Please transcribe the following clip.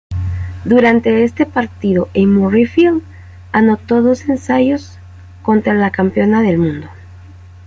Durante este partido en Murrayfield anotó dos ensayos contra la campeona del mundo.